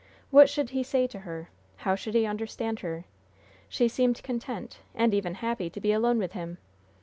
What should he say to her? How should he understand her? She seemed content, and even happy, to be alone with him.